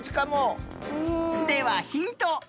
ではヒント。